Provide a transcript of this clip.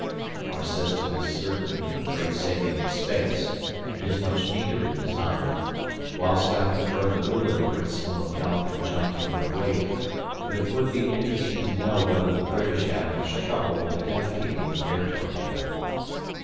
Our system is certainly a great saving in space, and is much neater in design, whilst I prefer the Uhlan principle of valve conjuncting with weight, but it would be interesting to know whether the British have much trouble with the depth keeping of their torpedo.